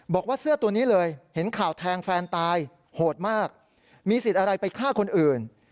บอกว่าเสื้อตัวนี้เลยเห็นข่าวแทงแฟนตายโหดมากมีสิทธิ์อะไรไปฆ่าคนอื่น